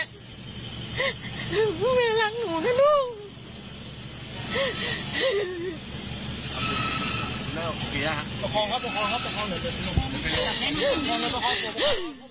สุภัยพี่แม่รักหนูนะลูก